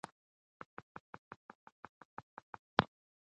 د کولمو بکتریاوې د رواني ناروغیو کمولو کې مرسته کوي.